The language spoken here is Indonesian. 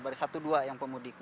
baru satu dua yang pemudik